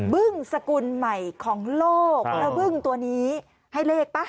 มึ่งสกุลใหม่ของโลกเมื่อมึ่งตัวนี้ให้เลขปะ